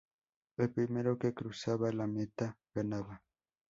El primero que cruzaba la meta ganaba.